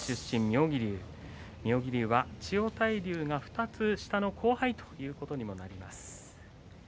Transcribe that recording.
妙義龍は千代大龍が２つ下の後輩ということにもなります。